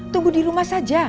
tunggu di rumah saja